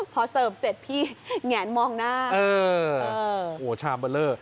พอเสิร์ฟเสร็จพี่แง่นมองหน้าเออโอ้ชามเบลอ